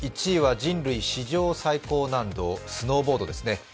１位は人類史上最高難度、スノーボードですね。